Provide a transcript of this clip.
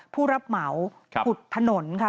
ผู้รับเหมาขุดถนนค่ะ